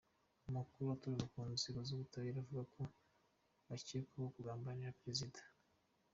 Amakuru aturuka mu nzego z’ubutabera avuga ko bakekwaho ‘kugambanira Perezida.